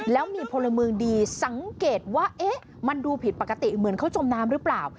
แล้วมีพลเมืองดีสังเกตว่ามันดูผิดปกติเหมือนเขาจมน้ำหรือเปล่า